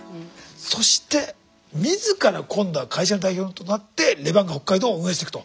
そして自ら今度は会社の代表となってレバンガ北海道を運営していくと。